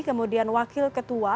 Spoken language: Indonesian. kemudian wakil ketua